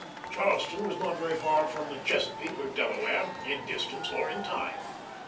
Charleston was not very far from the Chesapeake or Delaware, in distance or in time.